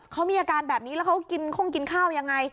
เขามีอาการแบบนี้แล้วเขากินข้งกินข้าวยังไง